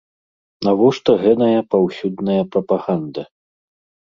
Навошта гэная паўсюдная прапаганда?